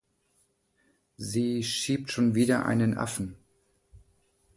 Sie schiebt schon wieder einen Affen.